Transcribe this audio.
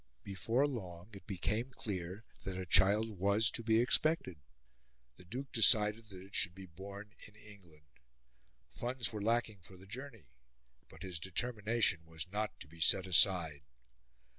Before long it became clear that a child was to be expected: the Duke decided that it should be born in England. Funds were lacking for the journey, but his determination was not to be set aside.